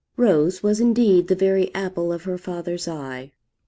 Rose was indeed the very apple of her father's eye.